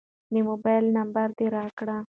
د موبایل نمبر دې راکړه.